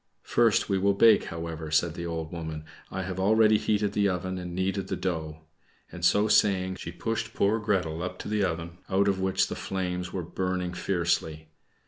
"First, we will bake, however," said the old woman; "I have already heated the oven and kneaded the dough;" and so saying, she pushed poor Gretel up to the oven, out of which the flames were burning fiercely.